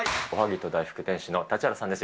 おはぎと大福、店主の立原さ